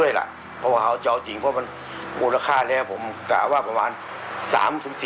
ยาท่าน้ำขาวไทยนครเพราะทุกการเดินทางของคุณจะมีแต่รอยยิ้ม